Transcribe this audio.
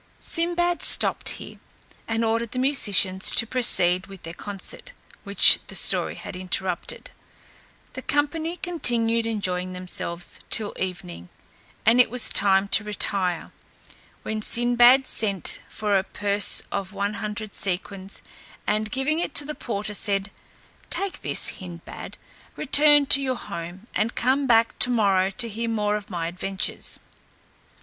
Sinbad stopped here, and ordered the musicians to proceed with their concert, which the story had interrupted. The company continued enjoying themselves till the evening, and it was time to retire, when Sinbad sent for a purse of 100 sequins and giving it to the porter, said, "Take this, Hindbad, return to your home, and come back to morrow to hear more of my adventures."